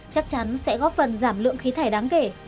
chắc chắn sẽ góp phần giảm lượng khí thải đáng kể